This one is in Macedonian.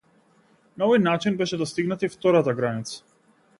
На овој начин беше достигната и втората граница.